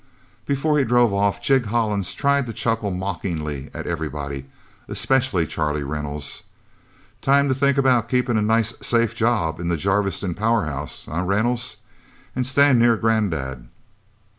Before he drove off, Jig Hollins tried to chuckle mockingly at everybody, especially Charlie Reynolds. "Time to think about keeping a nice safe job in the Jarviston powerhouse eh, Reynolds? And staying near granddad?"